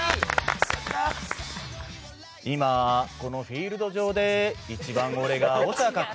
今このフィールド上で一番俺がオシャ確定。